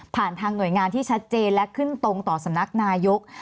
ทางหน่วยงานที่ชัดเจนและขึ้นตรงต่อสำนักนายก